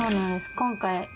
今回。